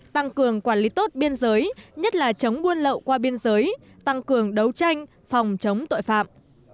tăng cường quản lý tốt biên giới nhất là chống buôn lậu qua biên giới tăng cường đấu tranh phòng chống tội phạm